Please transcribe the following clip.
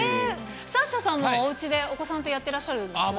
サッシャさんもおうちでお子さんとやってらっしゃるんですよね？